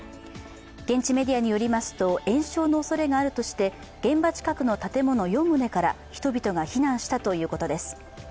現地メディアによりますと延焼のおそれがあるとして現場近くの建物４棟から人々が避難したということです。